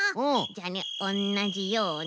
じゃあねおんなじように。